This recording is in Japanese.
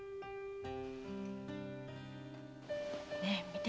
ねえ見て。